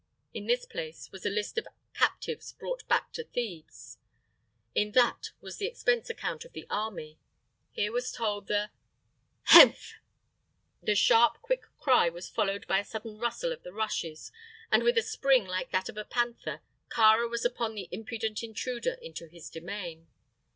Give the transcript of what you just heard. In this place was a list of captives brought back to Thebes; in that was the expense account of the army. Here was told the "Henf!" The sharp, quick cry was followed by a sudden rustle of the rushes, and with a spring like that of a panther, Kāra was upon the impudent intruder into his domain.